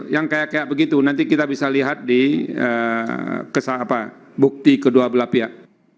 yang kayak kayak begitu nanti kita bisa lihat di bukti kedua belah pihak